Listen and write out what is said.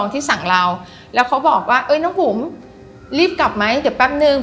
ที่สั่งเราแล้วเขาบอกว่าเอ้ยน้องบุ๋มรีบกลับไหมเดี๋ยวแป๊บนึง